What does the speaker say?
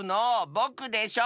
ぼくでしょ！